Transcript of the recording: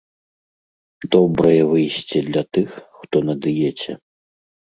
Добрае выйсце для тых, хто на дыеце.